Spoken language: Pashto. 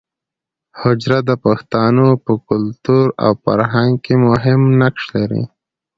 حجره د پښتانو په کلتور او فرهنګ کې مهم نقش لري